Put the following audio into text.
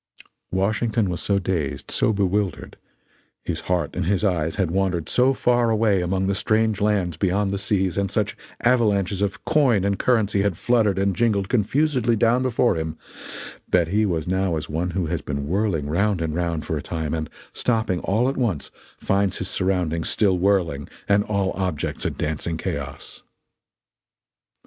Washington was so dazed, so bewildered his heart and his eyes had wandered so far away among the strange lands beyond the seas, and such avalanches of coin and currency had fluttered and jingled confusedly down before him, that he was now as one who has been whirling round and round for a time, and, stopping all at once, finds his surroundings still whirling and all objects a dancing chaos.